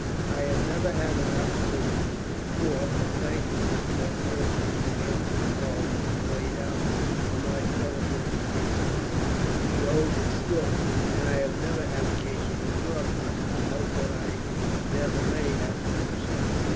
"I have never had an opportunity, before, of thanking you for that purse which you handed to Karl, to be laid out for my benefit in case of need. He holds it still, and I have never had occasion to draw upon it, and hope that I never may have to do so."